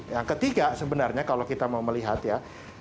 yang ketiga sebenarnya kalau kita mau melihat ya